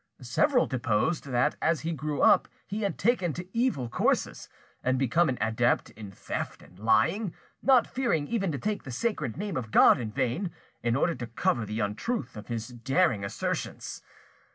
Several deposed that as he grew up he had taken to evil courses, and become an adept in theft and lying, not fearing even to take the sacred name of God in vain, in order to cover the untruth of his daring assertions.